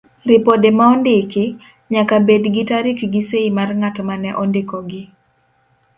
Ripode maondiki, nyaka bed gi tarik gi sei mar ng'atma ne ondikogi.